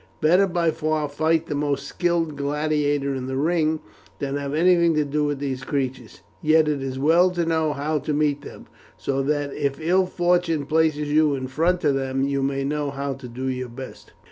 Better by far fight the most skilled gladiator in the ring than have anything to do with these creatures. Yet it is well to know how to meet them, so that if ill fortune places you in front of them, you may know how to do your best."